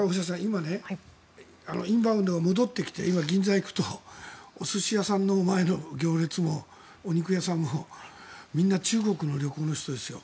今、インバウンドが戻ってきて今、銀座へ行くとお寿司屋さんの前の行列もお肉屋さんもみんな中国の旅行の人ですよ。